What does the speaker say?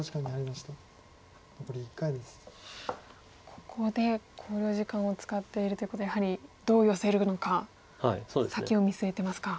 ここで考慮時間を使っているということはやはりどうヨセるのか先を見据えてますか。